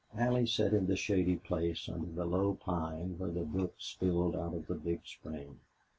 Allie sat in the shady place under the low pine where the brook spilled out of the big spring.